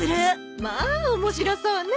まあ面白そうね。